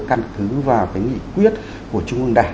căn cứ vào cái nghị quyết của trung ương đảng